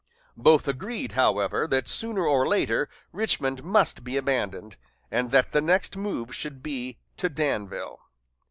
Both agreed, however, that sooner or later Richmond must be abandoned, and that the next move should be to Danville.